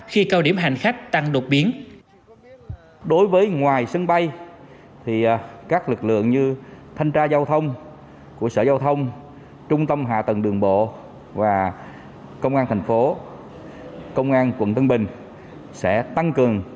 khi cao điểm hành khách tăng đột biến